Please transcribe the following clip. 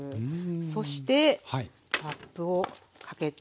そしてラップをかけてふんわり。